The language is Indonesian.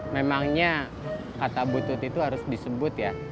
memangnya kata butut itu harus disebut ya